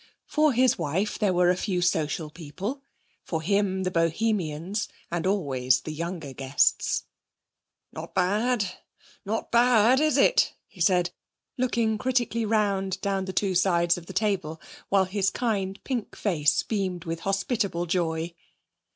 For his wife there were a few social people, for him the Bohemians, and always the younger guests. 'Not bad not bad, is it?' he said, looking critically round down the two sides of the table, while his kind pink face beamed with hospitable joy.